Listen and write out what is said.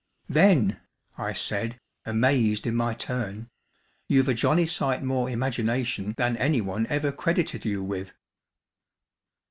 "Then," I said, amazed in my turn, "you've a jolly sight more imagination than anyone ever credited you with."